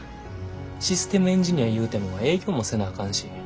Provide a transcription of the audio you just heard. システムエンジニアいうても営業もせなあかんし。